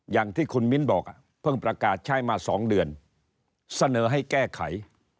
อย่างที่คุณมิ้นบอกเพิ่งประกาศใช้มา๒เดือนเสนอให้แก้ไข